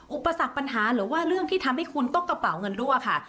อุปสรรคปัญหาหรือว่าเรื่องที่ทำให้คุณต้องกระเป๋าเงินรั่วค่ะ